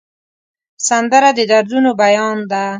سندره د دردونو بیان ده